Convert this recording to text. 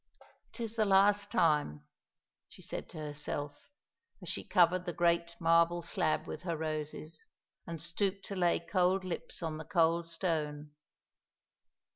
"It is the last time," she said to herself, as she covered the great marble slab with her roses, and stooped to lay cold lips on the cold stone.